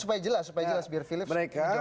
supaya jelas supaya jelas biar filips menjawabnya enak